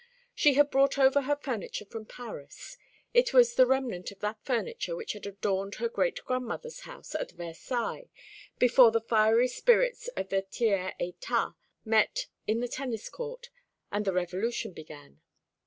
She had brought over her furniture from Paris. It was the remnant of that furniture which had adorned her great grandmother's house at Versailles, before the fiery spirits of the tiers état met in the tennis court, and the Revolution began.